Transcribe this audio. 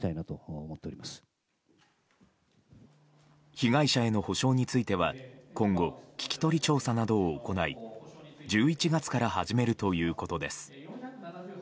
被害者への補償については今後、聞き取り調査などを行い１１月から始めるということです。